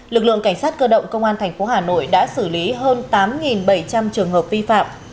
lực lượng cảnh sát cơ động công an tp hà nội đã xử lý hơn tám bảy trăm linh trường hợp vi phạm